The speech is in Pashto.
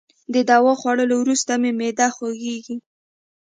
د دوا خوړولو وروسته مي معده خوږیږي.